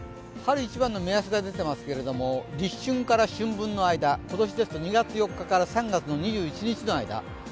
春一番の目安が出ていますけども、立春から春分の間、今年ですと２月４日から３月２１日までの間。